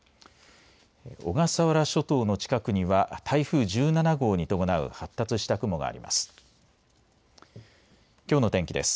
小笠原諸島の近くには台風１７号に伴う発達した雲があります。